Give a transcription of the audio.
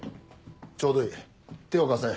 ちょうどいい手を貸せ。